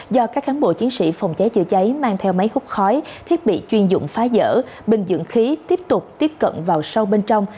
do các cán bộ chiến sĩ phòng cháy chữa cháy mang theo máy hút khói thiết bị chuyên dụng phá dỡ bình dưỡng khí tiếp tục tiếp cận vào sâu bên trong